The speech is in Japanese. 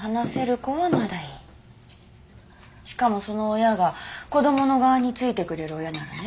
しかもその親が子供の側についてくれる親ならね。